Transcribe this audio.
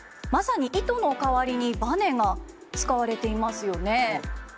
まさに糸の代わりにバネが使われていますよね。